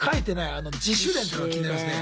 あの「自主練」ってのが気になりますね。